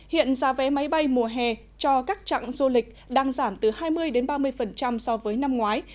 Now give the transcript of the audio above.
hiện giá vé máy bay mùa hè cho các trạng du lịch đang giảm từ hai mươi ba mươi so với năm ngoái